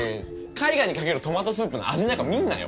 絵画にかけるトマトスープの味なんか見んなよ！